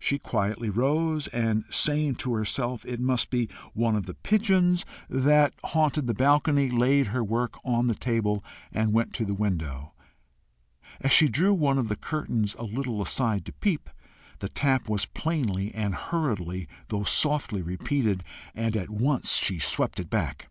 She quietly rose, and, saying to herself it must be one of the pigeons that haunted the balcony, laid her work on the table, and went to the window. As she drew one of the curtains a little aside to peep, the tap was plainly and hurriedly though softly repeated, and at once she swept it back.